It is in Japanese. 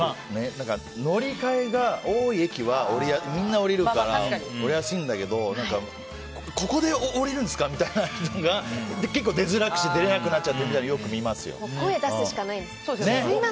乗り換えが多い駅はみんな降りるから降りやすいんだけどここで降りるんですか？という人は結構出づらくして出れなくなっちゃうのを声を出すしかないですね。